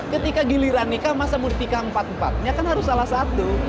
ketika giliran nikah masa muda tiga empat empat ya kan harus salah satu